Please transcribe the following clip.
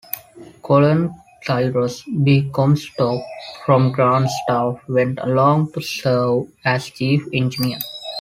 Colonel Cyrus B. Comstock from Grant's staff went along to serve as chief engineer.